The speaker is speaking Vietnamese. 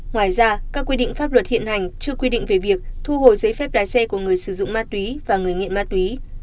ngoài ra các quy định pháp luật hiện hành chưa quy định về việc thu hồi giấy phép lái xe của người sử dụng ma túy và người nghiện ma túy